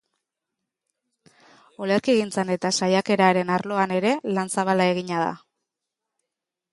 Olerkigintzan eta saiakeraren arloan ere lan zabala egina da.